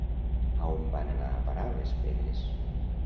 A on van anar a parar les pedres?